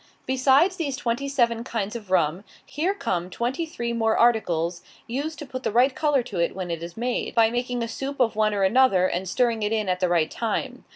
Besides these twenty seven kinds of rum, here come twenty three more articles, used to put the right color to it when it is made; by making a soup of one or another, and stirring it in at the right time.